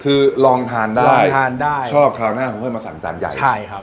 คือลองทานได้ทานได้ชอบคราวหน้าเขาค่อยมาสั่งจานใหญ่ใช่ครับ